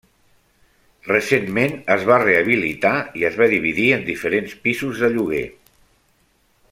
Recentment es va rehabilitar i es va dividir en diferents pisos de lloguer.